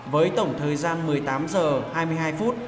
với tổng thời gian một mươi tám h hai mươi hai phút